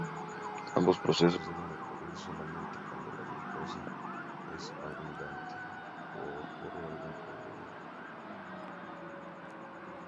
Ambos procesos deben ocurrir solamente cuando la glucosa es abundante, u ocurre algún problema.